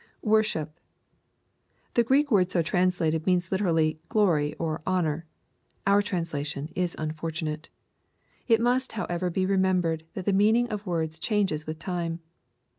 [Wo7^ship.] The Greek word so translated means literally " glory," or '* honor." Our translation is uiilbrtunate. It must however be remembered that tlie meaning of words changes with time.